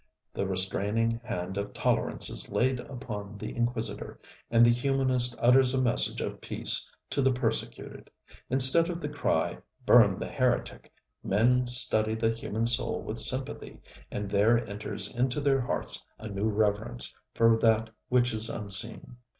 The restraining hand of tolerance is laid upon the inquisitor, and the humanist utters a message of peace to the persecuted. Instead of the cry, ŌĆ£Burn the heretic! ŌĆØ men study the human soul with sympathy, and there enters into their hearts a new reverence for that which is unseen.